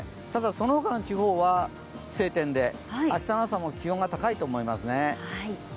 そのほかの地方は晴天で明日の朝も気温が高いと思いますね。